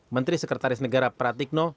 menteri sekretaris negara pratikno